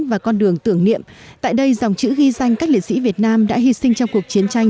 và con đường tưởng niệm tại đây dòng chữ ghi danh các liệt sĩ việt nam đã hy sinh trong cuộc chiến tranh